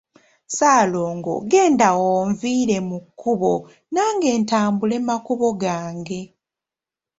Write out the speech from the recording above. Ssaalongo genda onviire mu kkubo nange ntambule makubo gange.